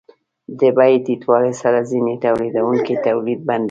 د بیې ټیټوالي سره ځینې تولیدونکي تولید بندوي